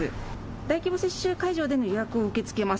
大規模接種会場での予約を受け付けます。